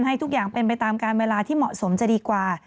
ให้ทุกอย่างเป็นไปตามการเวลาที่เหมาะสมจะดีกว่า